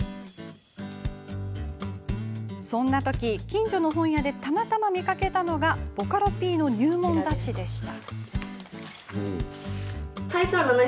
そんなとき、近所の本屋でたまたま見かけたのがボカロＰの入門雑誌でした。